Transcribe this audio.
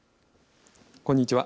こんにちは。